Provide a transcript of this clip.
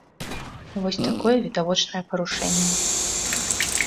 Вось такое відавочнае парушэнне.